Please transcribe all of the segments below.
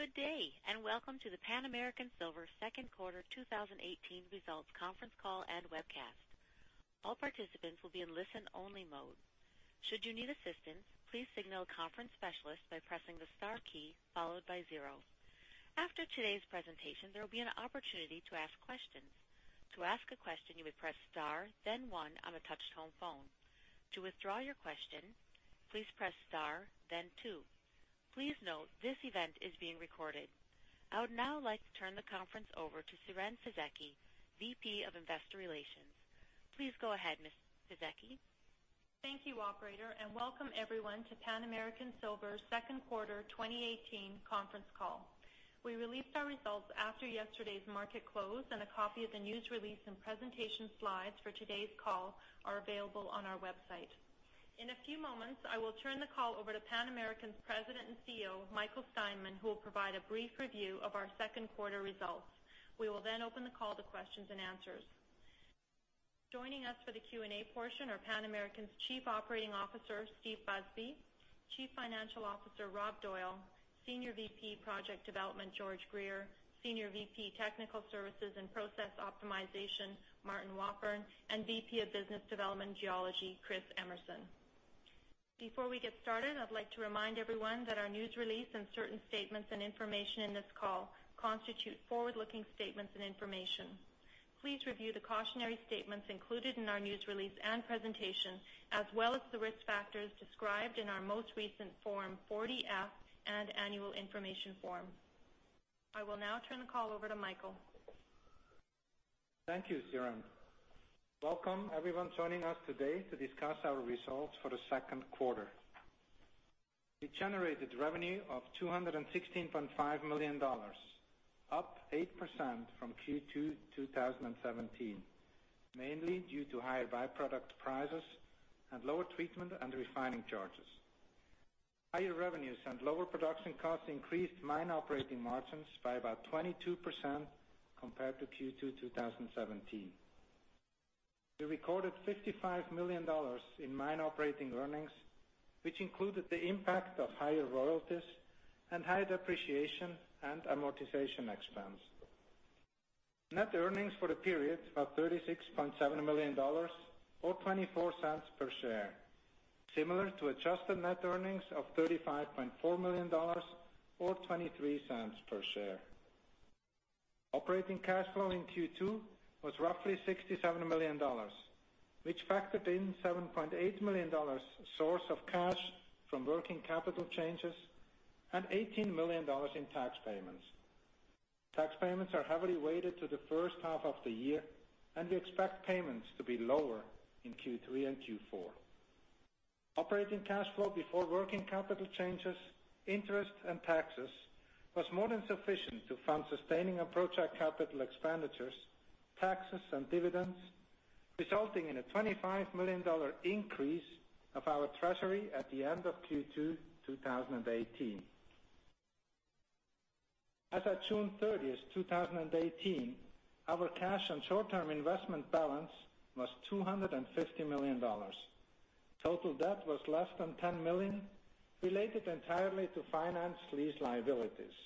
Good day and welcome to the Pan American Silver Second Quarter 2018 Results Conference Call and Webcast. All participants will be in listen-only mode. Should you need assistance, please signal a conference specialist by pressing the star key followed by zero. After today's presentation, there will be an opportunity to ask questions. To ask a question, you may press star, then one, on a touch-tone phone. To withdraw your question, please press star, then two. Please note this event is being recorded. I would now like to turn the conference over to Siren Fisekci, VP of Investor Relations. Please go ahead, Ms. Fisekci. Thank you, Operator, and welcome everyone to Pan American Silver Second Quarter 2018 Conference Call. We released our results after yesterday's market close, and a copy of the news release and presentation slides for today's call are available on our website. In a few moments, I will turn the call over to Pan American's President and CEO, Michael Steinmann, who will provide a brief review of our second quarter results. We will then open the call to questions and answers. Joining us for the Q&A portion are Pan American's Chief Operating Officer, Steve Busby, Chief Financial Officer, Rob Doyle, Senior VP Project Development, George Greer, Senior VP Technical Services and Process Optimization, Martin Wafforn, and VP of Business Development, Geology, Chris Emerson. Before we get started, I'd like to remind everyone that our news release and certain statements and information in this call constitute forward-looking statements and information. Please review the cautionary statements included in our news release and presentation, as well as the risk factors described in our most recent Form 40-F and Annual Information Form. I will now turn the call over to Michael. Thank you, Siren. Welcome everyone joining us today to discuss our results for the second quarter. We generated revenue of $216.5 million, up 8% from Q2 2017, mainly due to higher byproduct prices and lower treatment and refining charges. Higher revenues and lower production costs increased mine operating margins by about 22% compared to Q2 2017. We recorded $55 million in mine operating earnings, which included the impact of higher royalties and higher depreciation and amortization expense. Net earnings for the period were $36.7 million, or $0.24 per share, similar to adjusted net earnings of $35.4 million, or $0.23 per share. Operating cash flow in Q2 was roughly $67 million, which factored in $7.8 million source of cash from working capital changes and $18 million in tax payments. Tax payments are heavily weighted to the first half of the year, and we expect payments to be lower in Q3 and Q4. Operating cash flow before working capital changes, interest, and taxes was more than sufficient to fund sustaining and project capital expenditures, taxes, and dividends, resulting in a $25 million increase of our treasury at the end of Q2 2018. As of June 30, 2018, our cash and short-term investment balance was $250 million. Total debt was less than $10 million, related entirely to finance lease liabilities.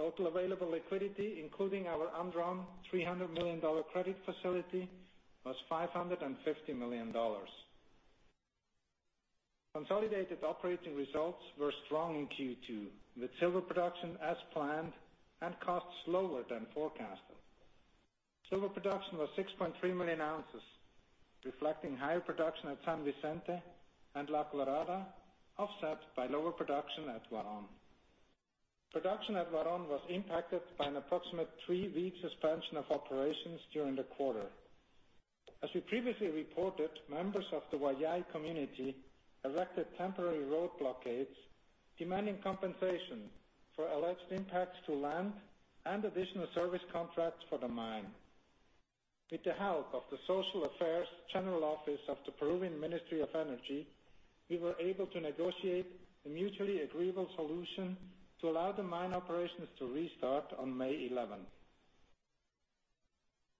Total available liquidity, including our undrawn $300 million credit facility, was $550 million. Consolidated operating results were strong in Q2, with silver production as planned and costs lower than forecasted. Silver production was 6.3 million ounces, reflecting higher production at San Vicente and La Colorada, offset by lower production at Huaron. Production at Huaron was impacted by an approximate three-week suspension of operations during the quarter. As we previously reported, members of the Huayllay community erected temporary road blockades, demanding compensation for alleged impacts to land and additional service contracts for the mine. With the help of the Social Affairs General Office of the Peruvian Ministry of Energy, we were able to negotiate a mutually agreeable solution to allow the mine operations to restart on May 11.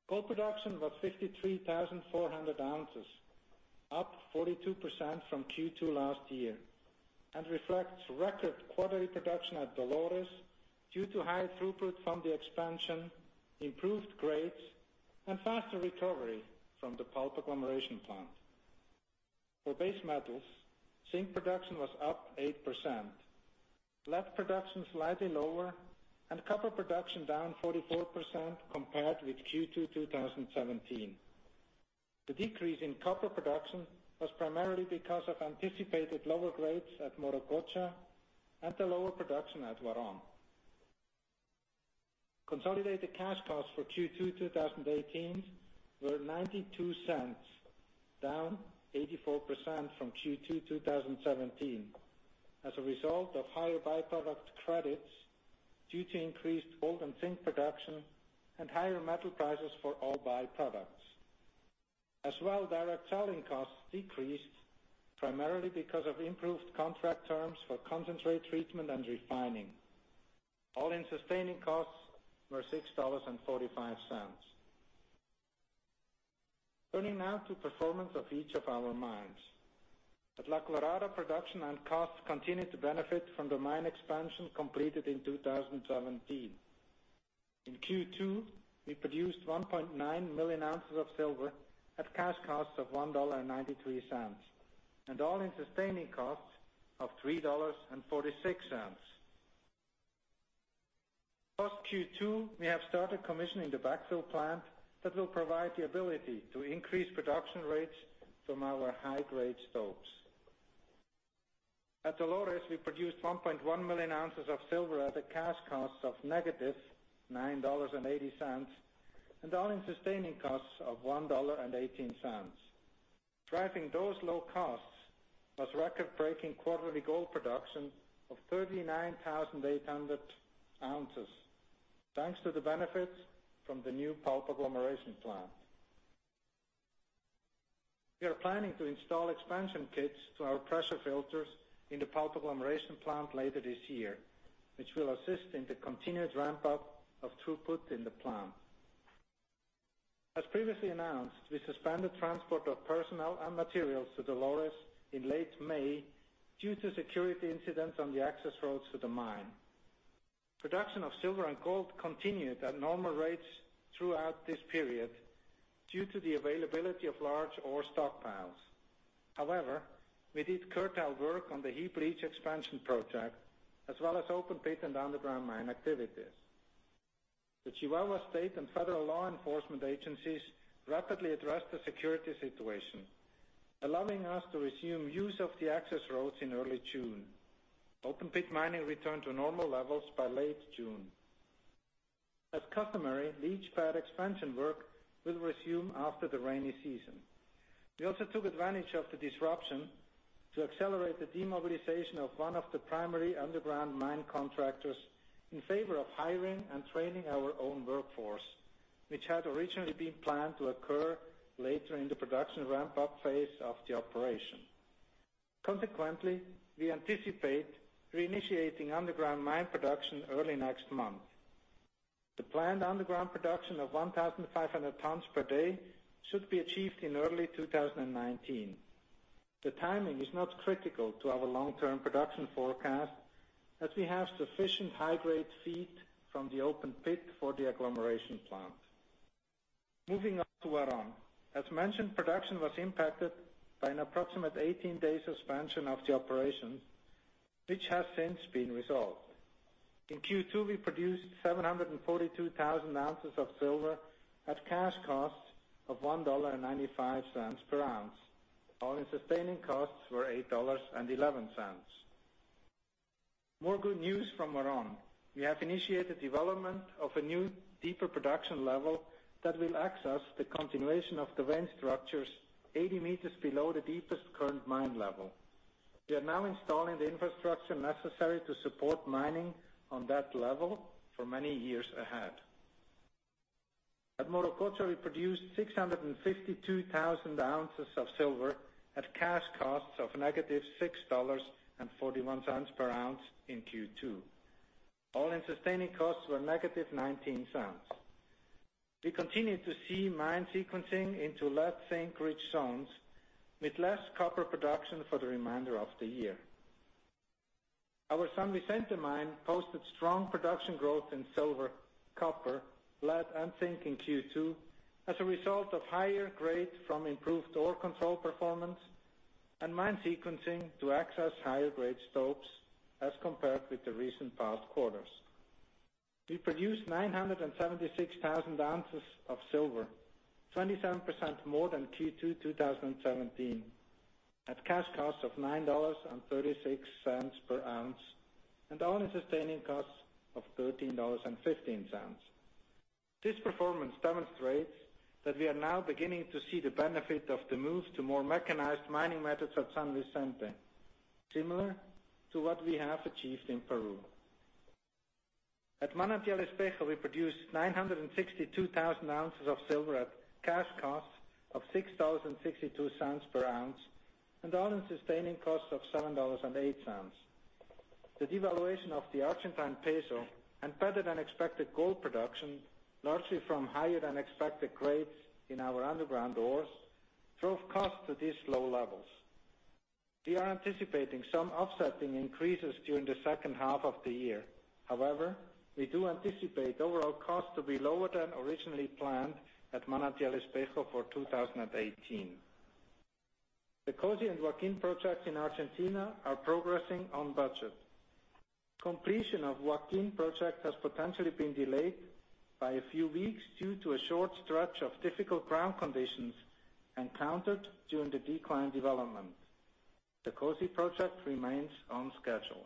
Gold production was 53,400 ounces, up 42% from Q2 last year, and reflects record quarterly production at Dolores due to high throughput from the expansion, improved grades, and faster recovery from the pulp agglomeration plant. For base metals, zinc production was up 8%, lead production slightly lower, and copper production down 44% compared with Q2 2017. The decrease in copper production was primarily because of anticipated lower grades at Morococha and the lower production at Huaron. Consolidated cash costs for Q2 2018 were $0.92, down 84% from Q2 2017, as a result of higher byproduct credits due to increased gold and zinc production and higher metal prices for all byproducts. As well, direct selling costs decreased primarily because of improved contract terms for concentrate treatment and refining. All-in sustaining costs were $6.45. Turning now to performance of each of our mines. At La Colorada, production and costs continue to benefit from the mine expansion completed in 2017. In Q2, we produced 1.9 million ounces of silver at cash costs of $1.93, and all-in sustaining costs of $3.46. Post-Q2, we have started commissioning the backfill plant that will provide the ability to increase production rates from our high-grade stope. At Dolores, we produced 1.1 million ounces of silver at a cash cost of negative $9.80, and all-in sustaining costs of $1.18. Driving those low costs was record-breaking quarterly gold production of 39,800 ounces, thanks to the benefits from the new pulp agglomeration plant. We are planning to install expansion kits to our pressure filters in the pulp agglomeration plant later this year, which will assist in the continued ramp-up of throughput in the plant. As previously announced, we suspended transport of personnel and materials to Dolores in late May due to security incidents on the access roads to the mine. Production of silver and gold continued at normal rates throughout this period due to the availability of large ore stockpiles. However, we did curtail work on the heap leach expansion project, as well as open-pit and underground mine activities. The Chihuahua State and Federal Law Enforcement Agencies rapidly addressed the security situation, allowing us to resume use of the access roads in early June. Open-pit mining returned to normal levels by late June. As customary, leach pad expansion work will resume after the rainy season. We also took advantage of the disruption to accelerate the demobilization of one of the primary underground mine contractors in favor of hiring and training our own workforce, which had originally been planned to occur later in the production ramp-up phase of the operation. Consequently, we anticipate reinitiating underground mine production early next month. The planned underground production of 1,500 tons per day should be achieved in early 2019. The timing is not critical to our long-term production forecast, as we have sufficient high-grade feed from the open pit for the agglomeration plant. Moving on to Huaron. As mentioned, production was impacted by an approximate 18-day suspension of the operations, which has since been resolved. In Q2, we produced 742,000 ounces of silver at cash costs of $1.95 per ounce. All-in sustaining costs were $8.11. More good news from Huaron. We have initiated development of a new, deeper production level that will access the continuation of the vein structures 80 meters below the deepest current mine level. We are now installing the infrastructure necessary to support mining on that level for many years ahead. At Morococha, we produced 652,000 ounces of silver at cash costs of negative $6.41 per ounce in Q2. All-in sustaining costs were negative $0.19. We continue to see mine sequencing into lead-zinc-rich zones, with less copper production for the remainder of the year. Our San Vicente mine posted strong production growth in silver, copper, lead, and zinc in Q2 as a result of higher grade from improved ore control performance and mine sequencing to access higher-grade stopes, as compared with the recent past quarters. We produced 976,000 ounces of silver, 27% more than Q2 2017, at cash costs of $9.36 per ounce, and all-in sustaining costs of $13.15. This performance demonstrates that we are now beginning to see the benefit of the move to more mechanized mining methods at San Vicente, similar to what we have achieved in Peru. At Manantial Espejo, we produced 962,000 ounces of silver at cash costs of $6.62 per ounce, and all-in sustaining costs of $7.08. The devaluation of the Argentine peso and better-than-expected gold production, largely from higher-than-expected grades in our underground ores, drove costs to these low levels. We are anticipating some offsetting increases during the second half of the year. However, we do anticipate overall costs to be lower than originally planned at Manantial Espejo for 2018. The COSE and Joaquin projects in Argentina are progressing on budget. Completion of Joaquin project has potentially been delayed by a few weeks due to a short stretch of difficult ground conditions encountered during the decline development. The COSE project remains on schedule.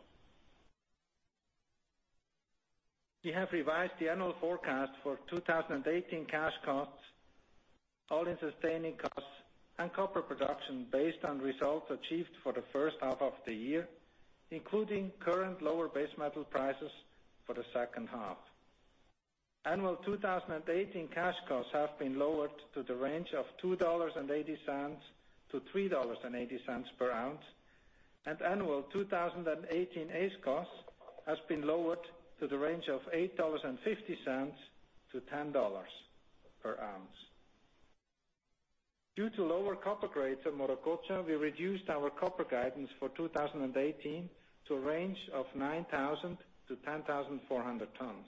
We have revised the annual forecast for 2018 cash costs, all-in sustaining costs and copper production based on results achieved for the first half of the year, including current lower base metal prices for the second half. Annual 2018 cash costs have been lowered to the range of $2.80-$3.80 per ounce, and annual 2018 AISC costs have been lowered to the range of $8.50-$10 per ounce. Due to lower copper grades at Morococha, we reduced our copper guidance for 2018 to a range of 9,000-10,400 tons.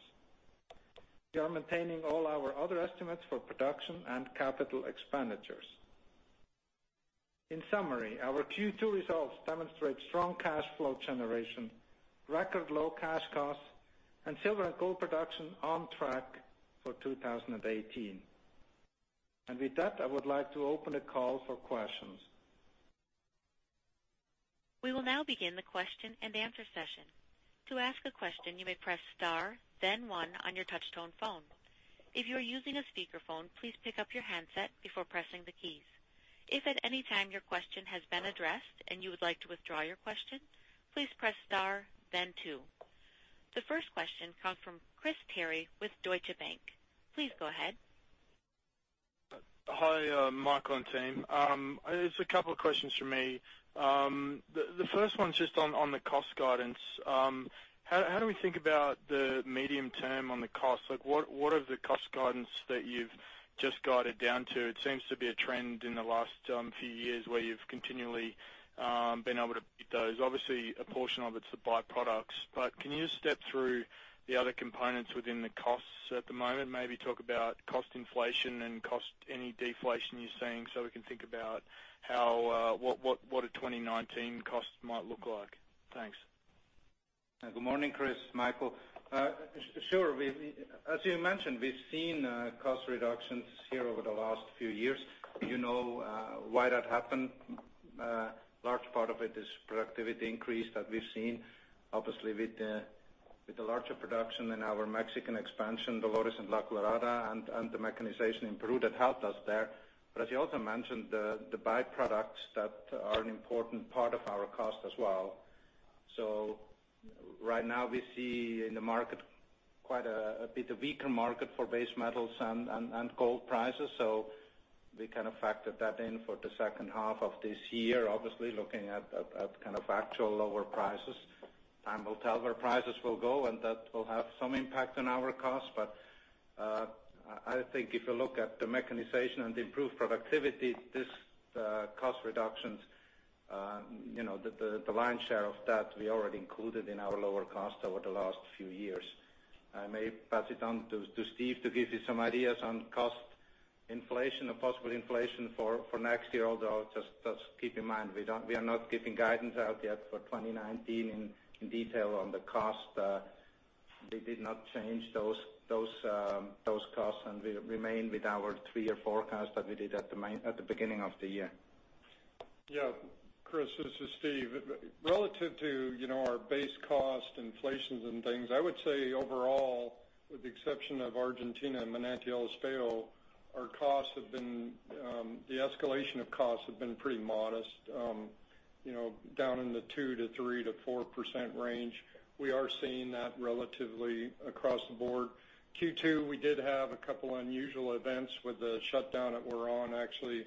We are maintaining all our other estimates for production and capital expenditures. In summary, our Q2 results demonstrate strong cash flow generation, record low cash costs, and silver and gold production on track for 2018. And with that, I would like to open a call for questions. We will now begin the question and answer session. To ask a question, you may press star, then one on your touch-tone phone. If you are using a speakerphone, please pick up your handset before pressing the keys. If at any time your question has been addressed and you would like to withdraw your question, please press star, then two. The first question comes from Chris Terry with Deutsche Bank. Please go ahead. Hi, Michael and team. There's a couple of questions for me. The first one's just on the cost guidance. How do we think about the medium term on the cost? What are the cost guidance that you've just guided down to? It seems to be a trend in the last few years where you've continually been able to beat those. Obviously, a portion of it's the byproducts. But can you just step through the other components within the costs at the moment? Maybe talk about cost inflation and cost any deflation you're seeing so we can think about what a 2019 cost might look like. Thanks. Good morning, Chris, Michael. Sure. As you mentioned, we've seen cost reductions here over the last few years. You know why that happened. A large part of it is productivity increase that we've seen, obviously, with the larger production and our Mexican expansion, Dolores and La Colorada, and the mechanization in Peru that helped us there. But as you also mentioned, the byproducts that are an important part of our cost as well. So right now, we see in the market quite a bit of weaker market for base metals and gold prices. So we kind of factored that in for the second half of this year, obviously, looking at kind of actual lower prices. Time will tell where prices will go, and that will have some impact on our costs. But I think if you look at the mechanization and improved productivity, these cost reductions, the lion's share of that, we already included in our lower cost over the last few years. I may pass it on to Steve to give you some ideas on cost inflation or possible inflation for next year, although just keep in mind we are not giving guidance out yet for 2019 in detail on the cost. They did not change those costs, and we remain with our three-year forecast that we did at the beginning of the year. Yeah. Chris, this is Steve. Relative to our base cost inflations and things, I would say overall, with the exception of Argentina and Manantial Espejo, our costs have been the escalation of costs have been pretty modest, down in the 2%-3%-4% range. We are seeing that relatively across the board. Q2, we did have a couple of unusual events with the shutdown at Huaron, actually,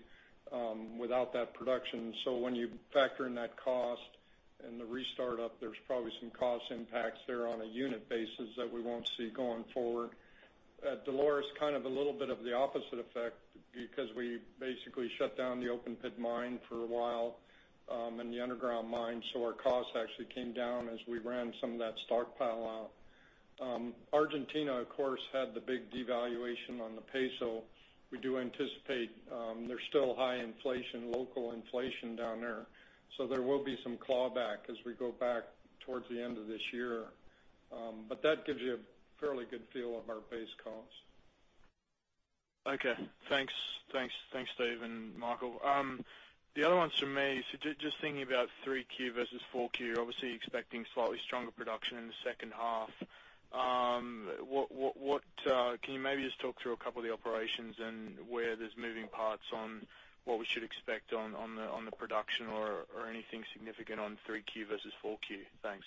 without that production. So when you factor in that cost and the restart-up, there's probably some cost impacts there on a unit basis that we won't see going forward. At Dolores, kind of a little bit of the opposite effect because we basically shut down the open-pit mine for a while and the underground mine, so our costs actually came down as we ran some of that stockpile out. Argentina, of course, had the big devaluation on the peso. We do anticipate there's still high inflation, local inflation down there. So there will be some clawback as we go back towards the end of this year. But that gives you a fairly good feel of our base cost. Okay. Thanks. Thanks, Steven. Michael. The other one's from me. So just thinking about 3Q versus 4Q, obviously expecting slightly stronger production in the second half. Can you maybe just talk through a couple of the operations and where there's moving parts on what we should expect on the production or anything significant on 3Q versus 4Q? Thanks.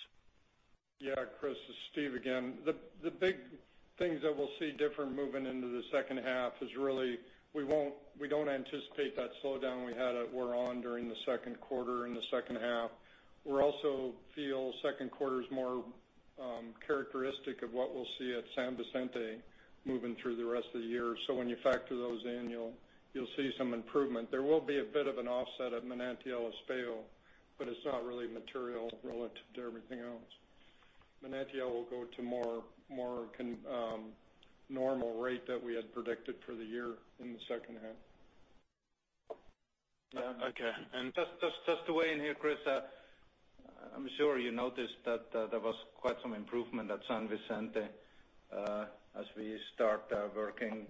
Yeah. Chris, this is Steve again. The big things that we'll see different moving into the second half is really we don't anticipate that slowdown we had at Huaron during the second quarter and the second half. We also feel second quarter is more characteristic of what we'll see at San Vicente moving through the rest of the year. So when you factor those in, you'll see some improvement. There will be a bit of an offset at Manantial Espejo, but it's not really material relative to everything else. Manantial will go to more normal rate that we had predicted for the year in the second half. Yeah. Okay. And just to weigh in here, Chris, I'm sure you noticed that there was quite some improvement at San Vicente as we start working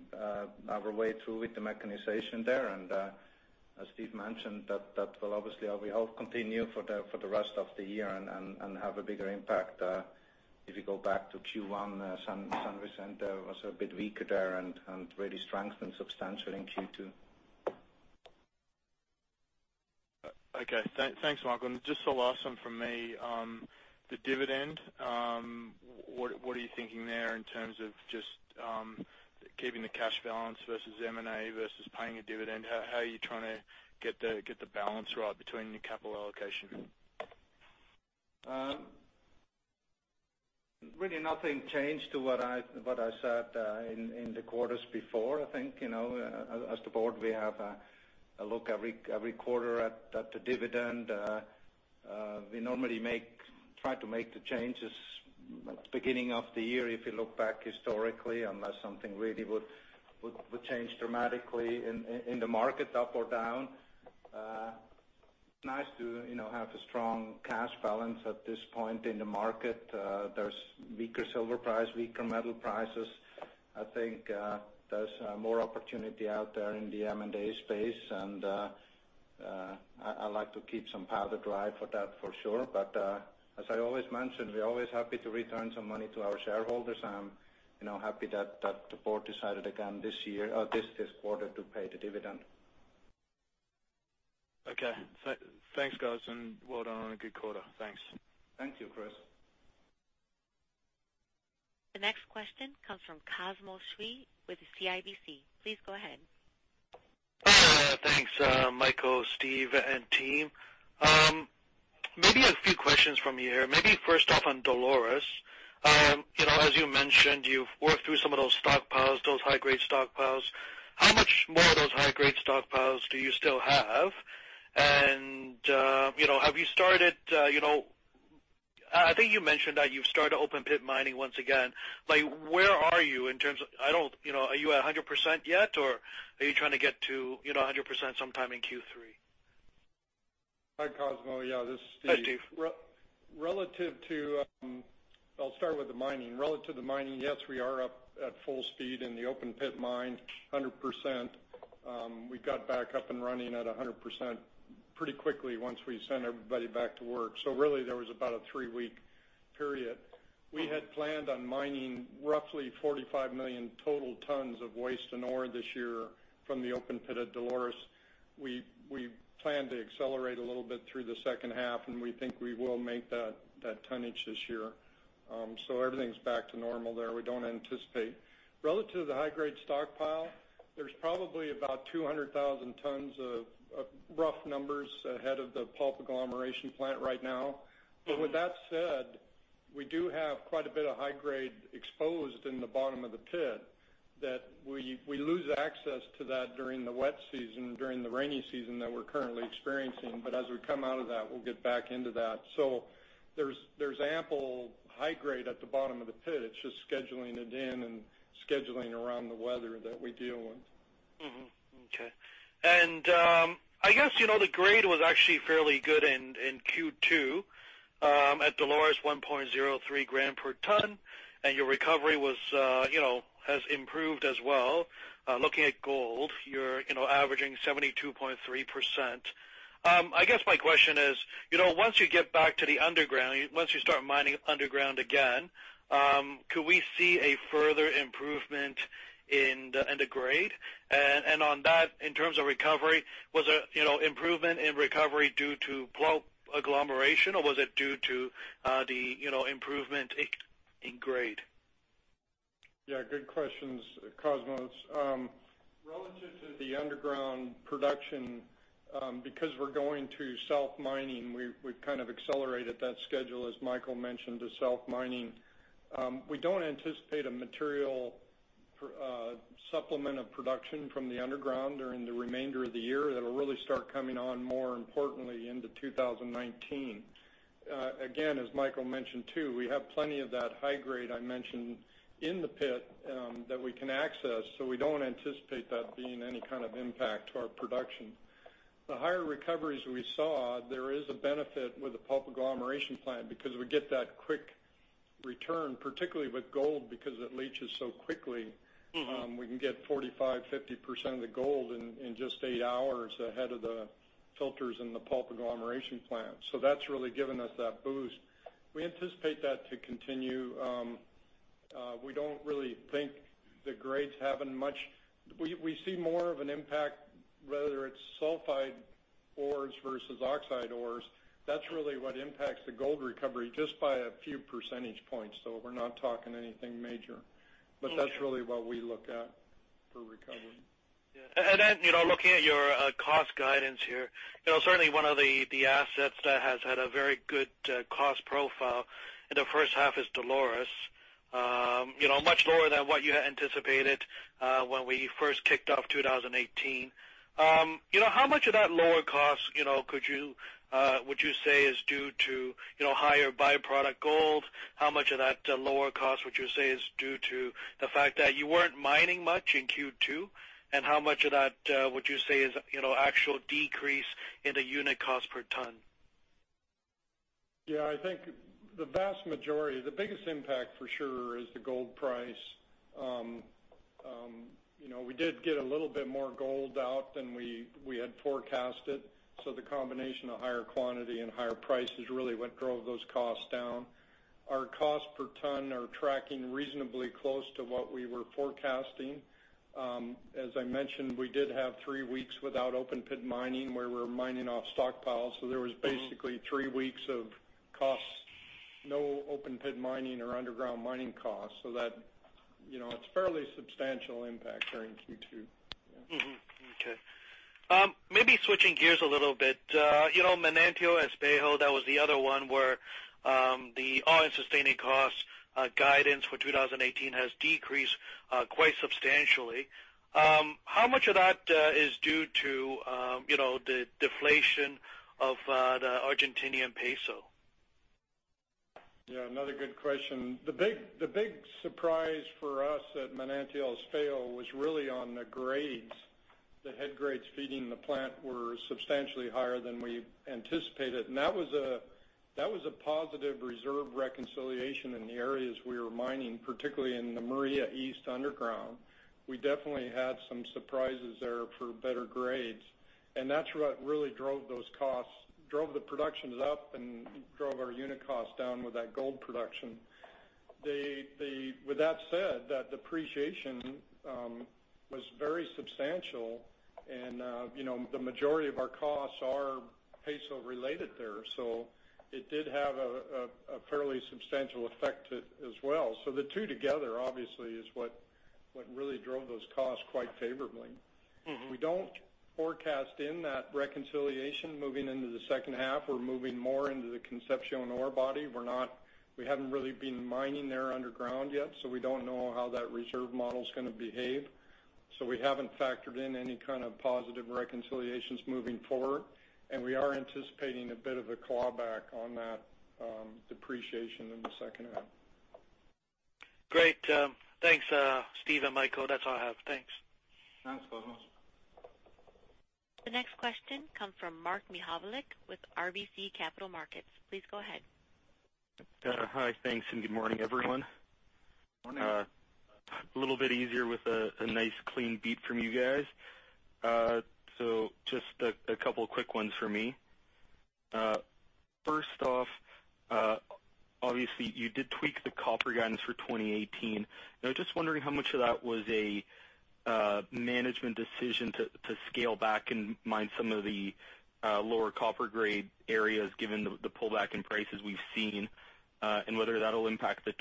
our way through with the mechanization there. And as Steve mentioned, that will obviously, we hope, continue for the rest of the year and have a bigger impact. If you go back to Q1, San Vicente was a bit weaker there and really strengthened substantially in Q2. Okay. Thanks, Michael. Just a last one from me. The dividend, what are you thinking there in terms of just keeping the cash balance versus M&A versus paying a dividend? How are you trying to get the balance right between your capital allocation? Really nothing changed to what I said in the quarters before, I think. As the board, we have a look every quarter at the dividend. We normally try to make the changes at the beginning of the year, if you look back historically, unless something really would change dramatically in the market up or down. It's nice to have a strong cash balance at this point in the market. There's weaker silver price, weaker metal prices. I think there's more opportunity out there in the M&A space. And I'd like to keep some powder dry for that, for sure. But as I always mentioned, we're always happy to return some money to our shareholders. I'm happy that the board decided again this year or this quarter to pay the dividend. Okay. Thanks, guys. And well done on a good quarter. Thanks. Thank you, Chris. The next question comes from Cosmos Chiu with CIBC. Please go ahead. Thanks, Michael, Steve, and team. Maybe a few questions from here. Maybe first off on Dolores. As you mentioned, you've worked through some of those stockpiles, those high-grade stockpiles. How much more of those high-grade stockpiles do you still have? And have you started? I think you mentioned that you've started open-pit mining once again. Where are you in terms of? Are you at 100% yet, or are you trying to get to 100% sometime in Q3? Hi, Cosmo. Yeah, this is Steve. Hi, Steve. I'll start with the mining. Relative to the mining, yes, we are up at full speed in the open-pit mine, 100%. We got back up and running at 100% pretty quickly once we sent everybody back to work. So really, there was about a three-week period. We had planned on mining roughly 45 million total tons of waste and ore this year from the open-pit at Dolores. We plan to accelerate a little bit through the second half, and we think we will make that tonnage this year. So everything's back to normal there. We don't anticipate. Relative to the high-grade stockpile, there's probably about 200,000 tons of rough numbers ahead of the pulp agglomeration plant right now. But with that said, we do have quite a bit of high-grade exposed in the bottom of the pit that we lose access to that during the wet season, during the rainy season that we're currently experiencing. But as we come out of that, we'll get back into that. So there's ample high-grade at the bottom of the pit. It's just scheduling it in and scheduling around the weather that we deal with. Okay. And I guess the grade was actually fairly good in Q2. At Dolores, 1.03 grams per ton, and your recovery has improved as well. Looking at gold, you're averaging 72.3%. I guess my question is, once you get back to the underground, once you start mining underground again, could we see a further improvement in the grade? And on that, in terms of recovery, was there improvement in recovery due to pulp agglomeration, or was it due to the improvement in grade? Yeah. Good questions, Cosmo. Relative to the underground production, because we're going to self-mining, we've kind of accelerated that schedule, as Michael mentioned, to self-mining. We don't anticipate a material supplement of production from the underground during the remainder of the year that will really start coming on more importantly into 2019. Again, as Michael mentioned too, we have plenty of that high-grade I mentioned in the pit that we can access. So we don't anticipate that being any kind of impact to our production. The higher recoveries we saw, there is a benefit with the pulp agglomeration plant because we get that quick return, particularly with gold because it leaches so quickly. We can get 45%-50% of the gold in just eight hours ahead of the filters in the pulp agglomeration plant. So that's really given us that boost. We anticipate that to continue. We don't really think the grade's having much. We see more of an impact, whether it's sulfide ores versus oxide ores. That's really what impacts the gold recovery just by a few percentage points, so we're not talking anything major, but that's really what we look at for recovery. Yeah. And then looking at your cost guidance here, certainly one of the assets that has had a very good cost profile in the first half is Dolores, much lower than what you had anticipated when we first kicked off 2018. How much of that lower cost would you say is due to higher byproduct gold? How much of that lower cost would you say is due to the fact that you weren't mining much in Q2? And how much of that would you say is actual decrease in the unit cost per ton? Yeah. I think the vast majority, the biggest impact for sure, is the gold price. We did get a little bit more gold out than we had forecast it. So the combination of higher quantity and higher price is really what drove those costs down. Our cost per ton are tracking reasonably close to what we were forecasting. As I mentioned, we did have three weeks without open-pit mining where we were mining off stockpiles. So there was basically three weeks of costs, no open-pit mining or underground mining costs. So it's a fairly substantial impact during Q2. Yeah. Okay. Maybe switching gears a little bit. Manantial Espejo, that was the other one where the all-in sustaining cost guidance for 2018 has decreased quite substantially. How much of that is due to the deflation of the Argentine peso? Yeah. Another good question. The big surprise for us at Manantial Espejo was really on the grades. The head grades feeding the plant were substantially higher than we anticipated, and that was a positive reserve reconciliation in the areas we were mining, particularly in the Maria East underground. We definitely had some surprises there for better grades, and that's what really drove those costs, drove the productions up, and drove our unit costs down with that gold production. With that said, that depreciation was very substantial, and the majority of our costs are peso-related there, so it did have a fairly substantial effect as well, so the two together, obviously, is what really drove those costs quite favorably. We don't forecast in that reconciliation moving into the second half. We're moving more into the conceptual ore body. We haven't really been mining there underground yet, so we don't know how that reserve model is going to behave. So we haven't factored in any kind of positive reconciliations moving forward. And we are anticipating a bit of a clawback on that depreciation in the second half. Great. Thanks, Steve and Michael. That's all I have. Thanks. Thanks, Cosmo. The next question comes from Mark Mihaljevic with RBC Capital Markets. Please go ahead. Hi. Thanks, and good morning, everyone. Morning. A little bit easier with a nice clean beat from you guys. So just a couple of quick ones for me. First off, obviously, you did tweak the copper guidance for 2018. I'm just wondering how much of that was a management decision to scale back and mine some of the lower copper-grade areas given the pullback in prices we've seen and whether that'll impact the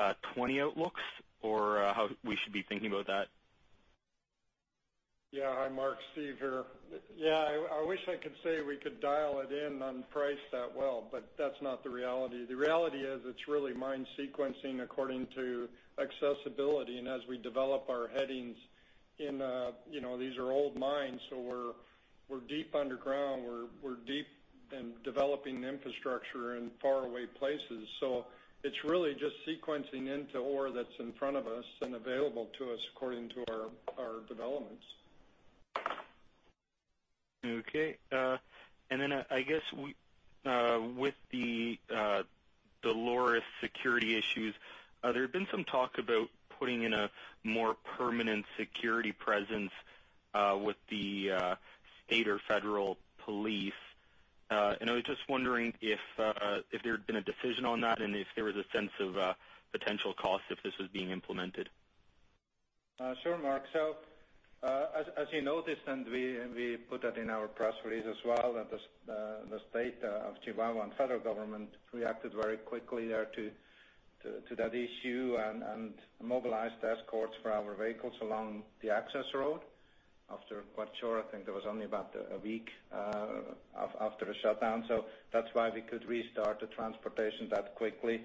2019-20 outlooks or how we should be thinking about that? Yeah. Hi, Mark. Steve here. Yeah. I wish I could say we could dial it in on price that well, but that's not the reality. The reality is it's really mine sequencing according to accessibility. And as we develop our headings in these are old mines, so we're deep underground. We're deep in developing infrastructure in faraway places. So it's really just sequencing into ore that's in front of us and available to us according to our developments. Okay, and then I guess with the Dolores security issues, there had been some talk about putting in a more permanent security presence with the state or federal police. And I was just wondering if there had been a decision on that and if there was a sense of potential cost if this was being implemented? Sure, Mark. So as you noticed, and we put that in our press release as well, that the state of Chihuahua and federal government reacted very quickly there to that issue and mobilized escorts for our vehicles along the access road after quite short. I think there was only about a week after the shutdown. So that's why we could restart the transportation that quickly.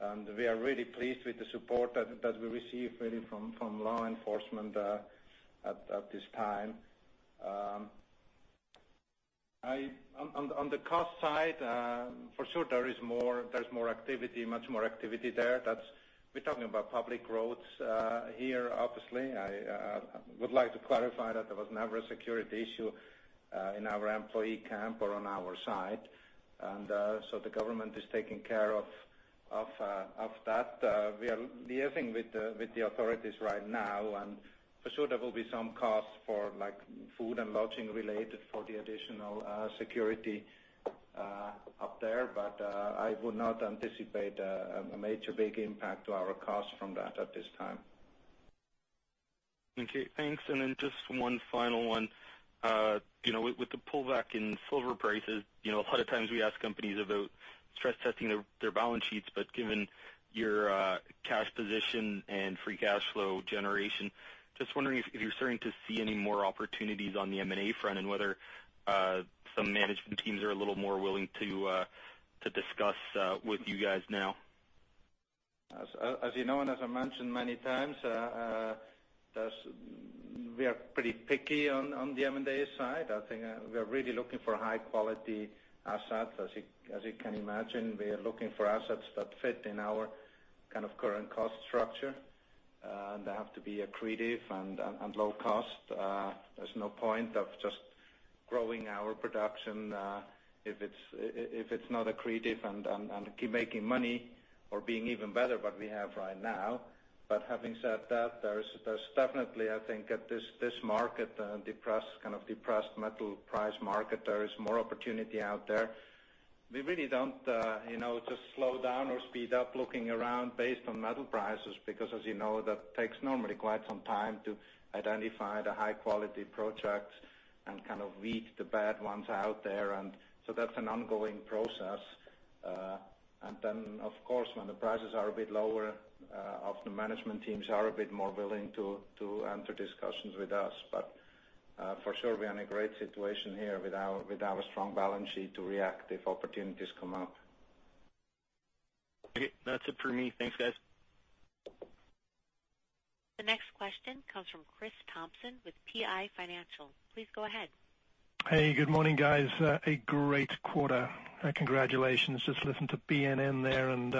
And we are really pleased with the support that we receive really from law enforcement at this time. On the cost side, for sure, there is more activity, much more activity there. We're talking about public roads here, obviously. I would like to clarify that there was never a security issue in our employee camp or on our side. And so the government is taking care of that. We are liaising with the authorities right now. For sure, there will be some costs for food and lodging related for the additional security up there. I would not anticipate a major big impact to our costs from that at this time. Okay. Thanks. And then just one final one. With the pullback in silver prices, a lot of times we ask companies about stress testing their balance sheets. But given your cash position and free cash flow generation, just wondering if you're starting to see any more opportunities on the M&A front and whether some management teams are a little more willing to discuss with you guys now? As you know, and as I mentioned many times, we are pretty picky on the M&A side. I think we are really looking for high-quality assets. As you can imagine, we are looking for assets that fit in our kind of current cost structure. And they have to be accretive and low cost. There's no point of just growing our production if it's not accretive and keep making money or being even better what we have right now. But having said that, there's definitely, I think, at this market, the kind of depressed metal price market, there is more opportunity out there. We really don't just slow down or speed up looking around based on metal prices because, as you know, that takes normally quite some time to identify the high-quality projects and kind of weed the bad ones out there, and so that's an ongoing process. And then, of course, when the prices are a bit lower, often management teams are a bit more willing to enter discussions with us. But for sure, we are in a great situation here with our strong balance sheet to react if opportunities come up. Okay. That's it for me. Thanks, guys. The next question comes from Chris Thompson with PI Financial. Please go ahead. Hey, good morning, guys. A great quarter. Congratulations. Just listened to BNN there and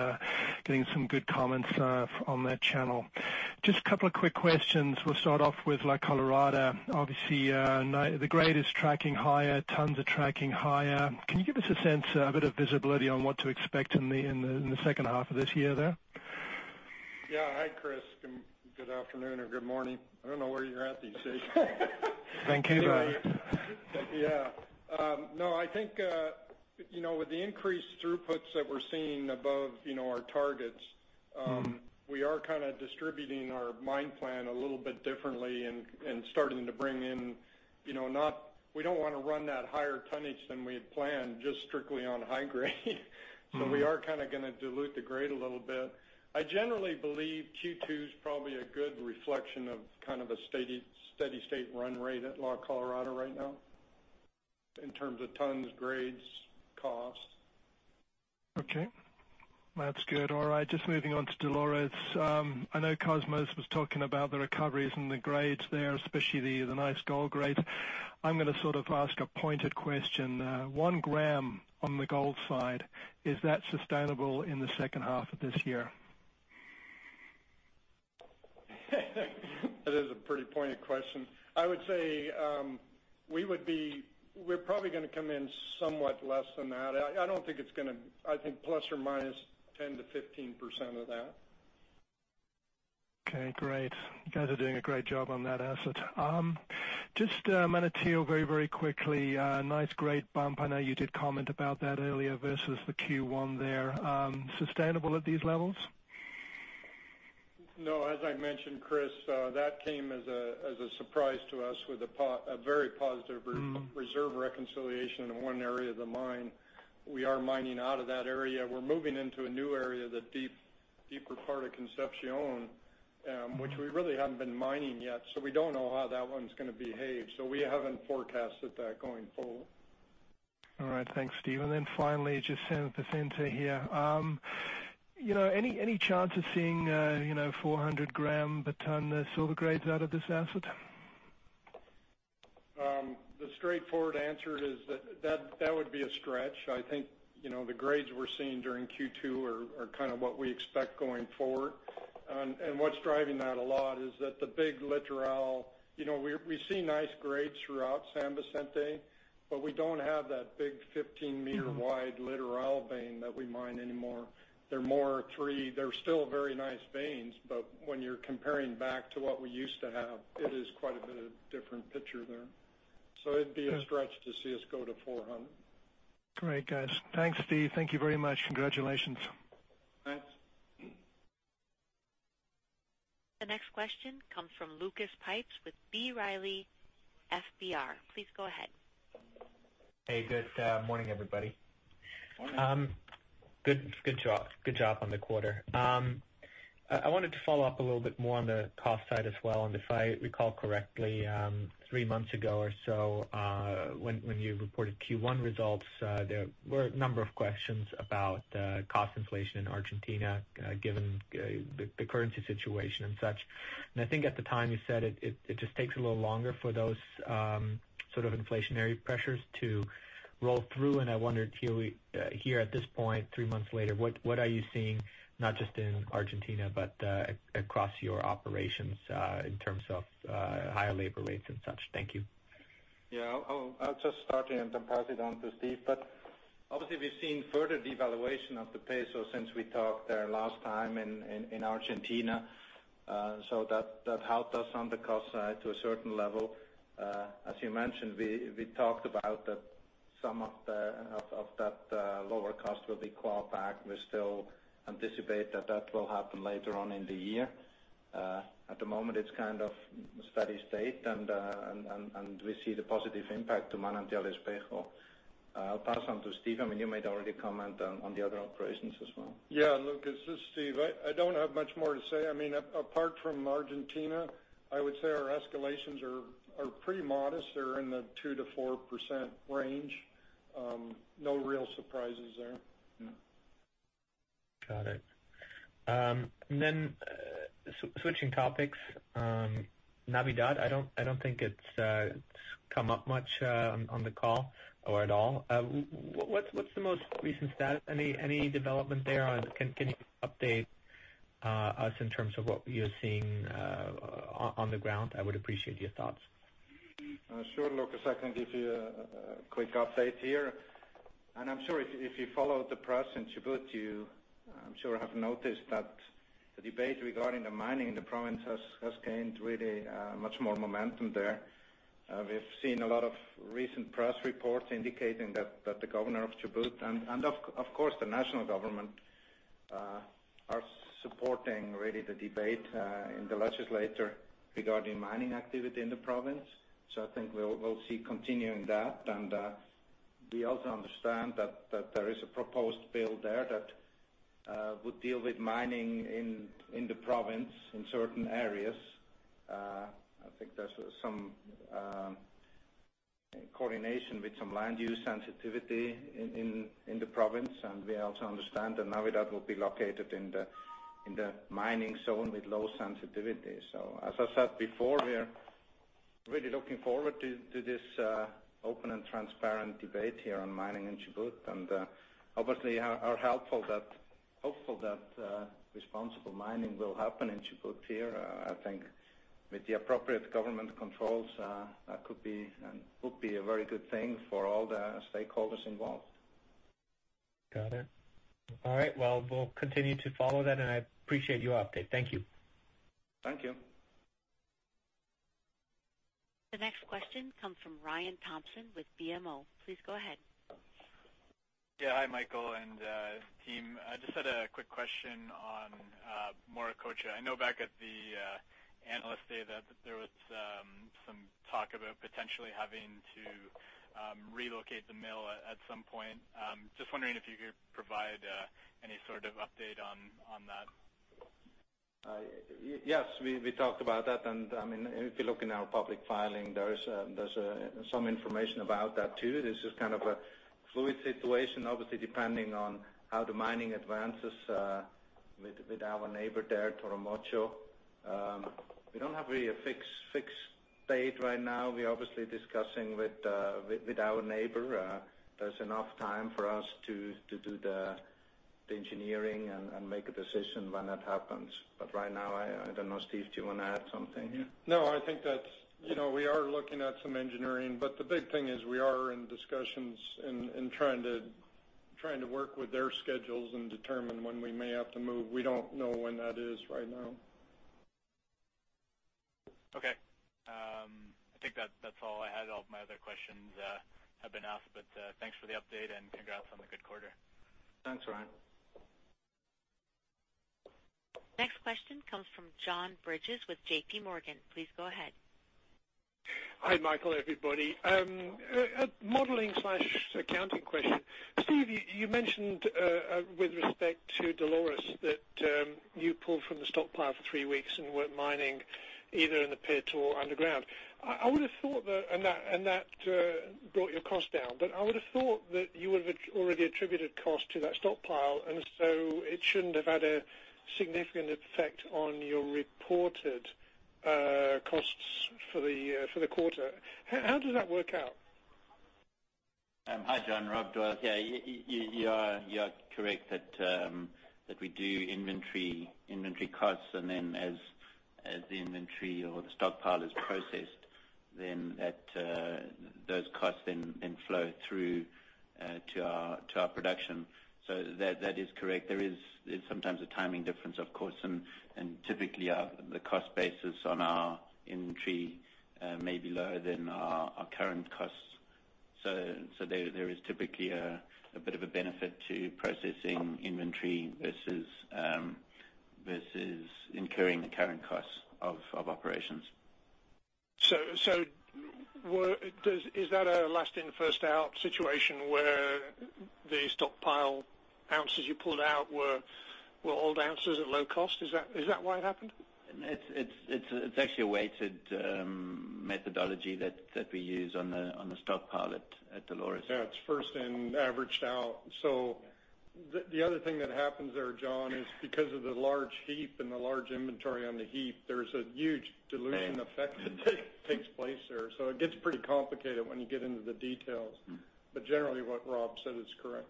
getting some good comments on that channel. Just a couple of quick questions. We'll start off with La Colorada. Obviously, the grade is tracking higher. Tons are tracking higher. Can you give us a sense, a bit of visibility on what to expect in the second half of this year there? Yeah. Hi, Chris. Good afternoon or good morning. I don't know where you're at these days. Thank you. Yeah. No, I think with the increased throughputs that we're seeing above our targets, we are kind of distributing our mine plan a little bit differently and starting to bring in. Not, we don't want to run that higher tonnage than we had planned just strictly on high grade. So we are kind of going to dilute the grade a little bit. I generally believe Q2 is probably a good reflection of kind of a steady state run rate at La Colorada right now in terms of tons, grades, cost. Okay. That's good. All right. Just moving on to Dolores. I know Cosmos was talking about the recoveries and the grades there, especially the nice gold grades. I'm going to sort of ask a pointed question. One gram on the gold side, is that sustainable in the second half of this year? That is a pretty pointed question. I would say we're probably going to come in somewhat less than that. I don't think it's going to. I think plus or minus 10%-15% of that. Okay. Great. You guys are doing a great job on that asset. Just Manantial, very, very quickly, nice grade bump. I know you did comment about that earlier versus the Q1 there. Sustainable at these levels? No. As I mentioned, Chris, that came as a surprise to us with a very positive reserve reconciliation in one area of the mine. We are mining out of that area. We're moving into a new area, the deeper part of Concepción, which we really haven't been mining yet. So we don't know how that one's going to behave. So we haven't forecasted that going forward. All right. Thanks, Steven. And then finally, just sending this in to here. Any chance of seeing 400 gram per ton silver grades out of this asset? The straightforward answer is that that would be a stretch. I think the grades we're seeing during Q2 are kind of what we expect going forward. And what's driving that a lot is that the big lateral we see nice grades throughout San Vicente, but we don't have that big 15-meter-wide lateral vein that we mine anymore. They're still very nice veins, but when you're comparing back to what we used to have, it is quite a bit of a different picture there. So it'd be a stretch to see us go to 400. Great, guys. Thanks, Steve. Thank you very much. Congratulations. Thanks. The next question comes from Lucas Pipes with B. Riley FBR. Please go ahead. Hey, good morning, everybody. Good job on the quarter. I wanted to follow up a little bit more on the cost side as well. And if I recall correctly, three months ago or so, when you reported Q1 results, there were a number of questions about cost inflation in Argentina given the currency situation and such. And I think at the time you said it just takes a little longer for those sort of inflationary pressures to roll through. And I wondered here at this point, three months later, what are you seeing, not just in Argentina but across your operations in terms of higher labor rates and such? Thank you. Yeah. I'll just start and pass it on to Steve. But obviously, we've seen further devaluation of the peso since we talked there last time in Argentina. So that helped us on the cost side to a certain level. As you mentioned, we talked about that some of that lower cost will be clawed back. We still anticipate that that will happen later on in the year. At the moment, it's kind of a steady state, and we see the positive impact to Manantial Espejo. I'll pass on to Steve. I mean, you might already comment on the other operations as well. Yeah. Look, it's just Steve. I don't have much more to say. I mean, apart from Argentina, I would say our escalations are pretty modest. They're in the 2%-4% range. No real surprises there. Got it. Then switching topics, Navidad, I don't think it's come up much on the call or at all. What's the most recent status? Any development there? Can you update us in terms of what you're seeing on the ground? I would appreciate your thoughts. Sure, Lucas. I can give you a quick update here. And I'm sure if you follow the press in Chubut, you I'm sure have noticed that the debate regarding the mining in the province has gained really much more momentum there. We've seen a lot of recent press reports indicating that the governor of Chubut and, of course, the national government are supporting really the debate in the legislature regarding mining activity in the province. So I think we'll see continuing that. And we also understand that there is a proposed bill there that would deal with mining in the province in certain areas. I think there's some coordination with some land use sensitivity in the province. And we also understand that Navidad will be located in the mining zone with low sensitivity. So as I said before, we're really looking forward to this open and transparent debate here on mining in Chubut. And obviously, we are hopeful that responsible mining will happen in Chubut here. I think with the appropriate government controls, that could be a very good thing for all the stakeholders involved. Got it. All right. Well, we'll continue to follow that, and I appreciate your update. Thank you. Thank you. The next question comes from Ryan Thompson with BMO. Please go ahead. Yeah. Hi, Michael and team. I just had a quick question on Morococha. I know back at the Analyst Day that there was some talk about potentially having to relocate the mill at some point. Just wondering if you could provide any sort of update on that? Yes. We talked about that. And I mean, if you look in our public filing, there's some information about that too. This is kind of a fluid situation, obviously, depending on how the mining advances with our neighbor there, Toromocho. We don't have really a fixed date right now. We're obviously discussing with our neighbor. There's enough time for us to do the engineering and make a decision when that happens. But right now, I don't know, Steve, do you want to add something? No. I think that we are looking at some engineering. But the big thing is we are in discussions and trying to work with their schedules and determine when we may have to move. We don't know when that is right now. Okay. I think that's all I had. All of my other questions have been asked. But thanks for the update and congrats on the good quarter. Thanks, Ryan. Next question comes from John Bridges with J.P. Morgan. Please go ahead. Hi, Michael, everybody. A modeling/accounting question. Steve, you mentioned with respect to Dolores that you pulled from the stockpile for three weeks and weren't mining either in the pit or underground. I would have thought that and that brought your cost down. But I would have thought that you would have already attributed cost to that stockpile. And so it shouldn't have had a significant effect on your reported costs for the quarter. How does that work out? Hi, John. Rob Doyle. Yeah. You are correct that we do inventory costs, and then as the inventory or the stockpile is processed, then those costs then flow through to our production. So that is correct. There is sometimes a timing difference, of course, and typically, the cost basis on our inventory may be lower than our current costs. So there is typically a bit of a benefit to processing inventory versus incurring the current costs of operations. So is that a last-in-first-out situation where the stockpile ounces you pulled out were old ounces at low cost? Is that why it happened? It's actually a weighted methodology that we use on the stockpile at Dolores. Yeah. It's first-in-averaged out. So the other thing that happens there, John, is because of the large heap and the large inventory on the heap, there's a huge dilution effect that takes place there. So it gets pretty complicated when you get into the details. But generally, what Rob said is correct.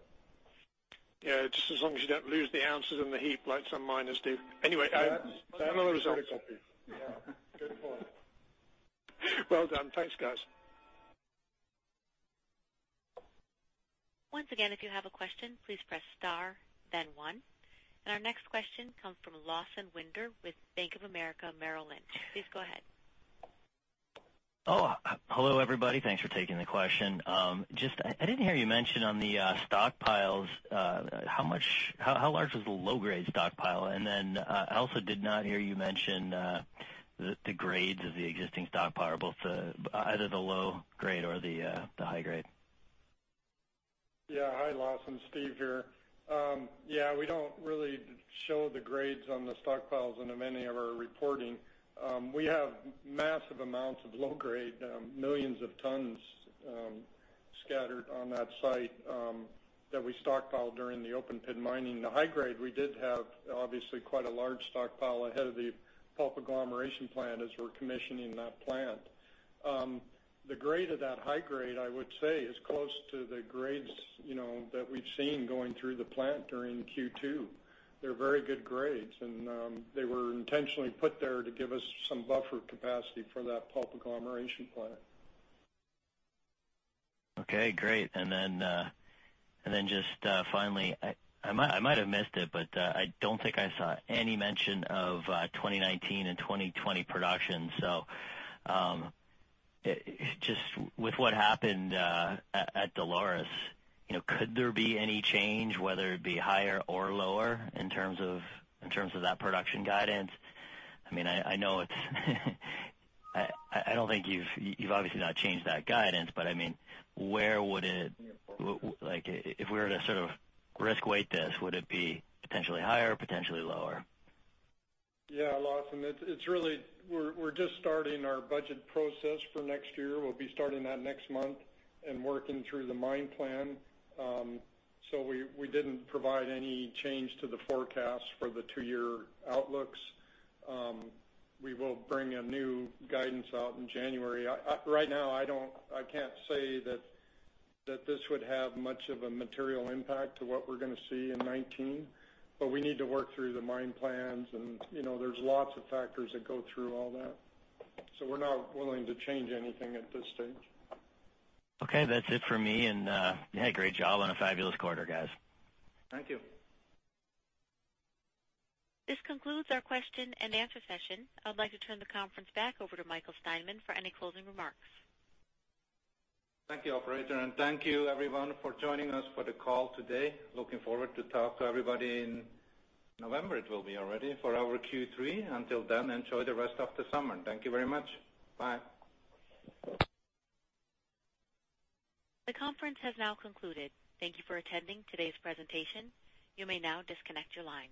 Yeah. Just as long as you don't lose the ounces in the heap like some miners do. Anyway, another example. Yeah. Good point. Well done. Thanks, guys. Once again, if you have a question, please press star, then one. Our next question comes from Lawson Winder with Bank of America Merrill Lynch. Please go ahead. Oh, hello, everybody. Thanks for taking the question. I didn't hear you mention on the stockpiles, how large was the low-grade stockpile? And then I also did not hear you mention the grades of the existing stockpiles, either the low grade or the high grade. Yeah. Hi, Lawson. Steve here. Yeah. We don't really show the grades on the stockpiles in many of our reporting. We have massive amounts of low-grade, millions of tons scattered on that site that we stockpiled during the open-pit mining. The high grade, we did have, obviously, quite a large stockpile ahead of the pulp agglomeration plant as we're commissioning that plant. The grade of that high grade, I would say, is close to the grades that we've seen going through the plant during Q2. They're very good grades. And they were intentionally put there to give us some buffer capacity for that pulp agglomeration plant. Okay. Great. And then just finally, I might have missed it, but I don't think I saw any mention of 2019 and 2020 production. So just with what happened at Dolores, could there be any change, whether it be higher or lower, in terms of that production guidance? I mean, I don't think you've obviously not changed that guidance. But I mean, where would it if we were to sort of risk-weight this, would it be potentially higher or potentially lower? Yeah, Lawson. We're just starting our budget process for next year. We'll be starting that next month and working through the mine plan. So we didn't provide any change to the forecast for the two-year outlooks. We will bring a new guidance out in January. Right now, I can't say that this would have much of a material impact to what we're going to see in 2019. But we need to work through the mine plans. And there's lots of factors that go through all that. So we're not willing to change anything at this stage. Okay. That's it for me. And yeah, great job on a fabulous quarter, guys. Thank you. This concludes our question and answer session. I'd like to turn the conference back over to Michael Steinmann for any closing remarks. Thank you, Operator. And thank you, everyone, for joining us for the call today. Looking forward to talk to everybody in November, it will be already, for our Q3. Until then, enjoy the rest of the summer. Thank you very much. Bye. The conference has now concluded. Thank you for attending today's presentation. You may now disconnect your line.